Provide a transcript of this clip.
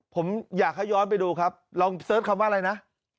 ผมอยากให้ย้อนไปดูครับลองเสิร์ชคำว่าอะไรนะ